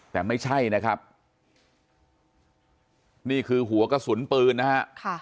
แต่ไม่ใช่นะครับนี่คือหัวกระสุนปืนนะฮะ